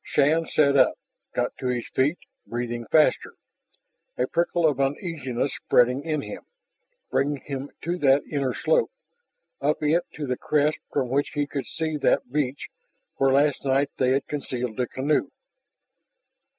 Shann sat up, got to his feet, breathing faster, a prickle of uneasiness spreading in him, bringing him to that inner slope, up it to the crest from which he could see that beach where last night they had concealed the canoe.